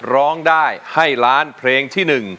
ร้องได้ให้ล้านเพลงที่๑